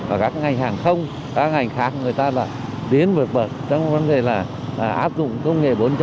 ở các ngành hàng không các ngành khác người ta lại tiến vượt bậc trong vấn đề là áp dụng công nghệ bốn